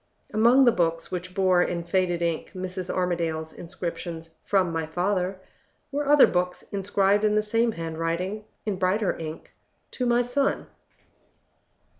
Among the books which bore in faded ink Mrs. Armadale's inscriptions, "From my father," were other books inscribed in the same handwriting, in brighter ink, "To my son."